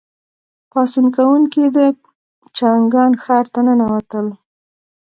پاڅون کوونکي د چانګان ښار ته ننوتل.